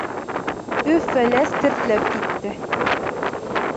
Өф-Фәләс тертләп китте.